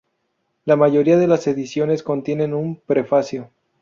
La mayoría de las ediciones contienen un prefacio.